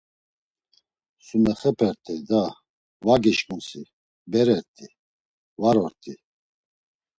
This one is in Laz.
Sumexepert̆ey da… Va gişǩun si, berert̆i, var ort̆i.